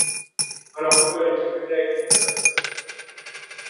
Wanafunzi walitembelea ikulu ya rais